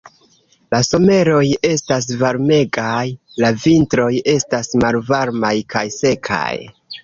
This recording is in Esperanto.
La someroj estas varmegaj, la vintroj estas malvarmaj kaj sekaj.